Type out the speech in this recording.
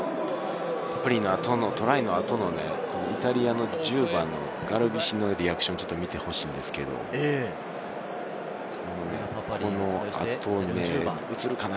そしてトライの後のイタリアの１０番・ガルビシのリアクションを見てほしいんですけれど、映るかな？